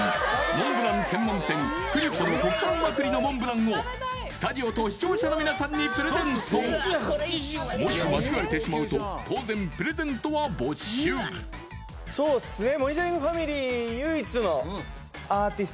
モンブラン専門店栗歩の国産和栗のモンブランをスタジオと視聴者の皆さんにプレゼントもし間違えてしまうと当然プレゼントは没収そうっすね